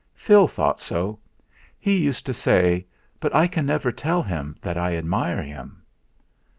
"Phil thought so. He used to say: 'But I can never tell him that I admire him.'.